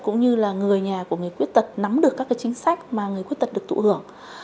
cũng như là người nhà của người khuyết tật nắm được các chính sách mà người khuyết tật được thụ hưởng